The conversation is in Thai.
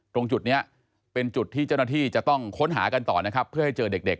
ตรงจุดนี้เป็นจุดที่เจ้าหน้าที่จะต้องค้นหากันต่อนะครับเพื่อให้เจอเด็ก